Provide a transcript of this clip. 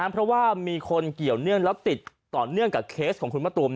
เพราะว่ามีคนเกี่ยวเนื่องแล้วติดต่อเนื่องกับเคสของคุณมะตูม